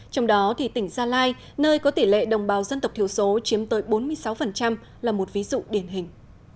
trong đó thì tỉnh gia lai nơi có tỷ lệ đồng bào dân tộc thiểu số chiếm tới bốn mươi sáu là một ví dụ điển hình